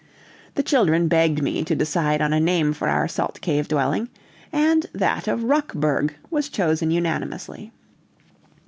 The children begged me to decide on a name for our salt cave dwelling, and that of Rockburg was chosen unanimously.